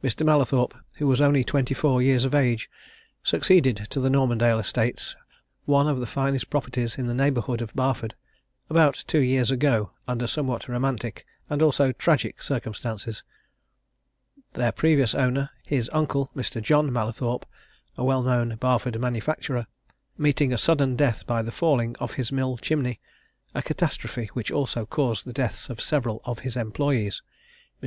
Mr. Mallathorpe, who was only twenty four years of age, succeeded to the Normandale estates, one of the finest properties in the neighbourhood of Barford, about two years ago, under somewhat romantic and also tragic circumstances, their previous owner, his uncle, Mr. John Mallathorpe, a well known Barford manufacturer, meeting a sudden death by the falling of his mill chimney a catastrophe which also caused the deaths of several of his employees. Mr.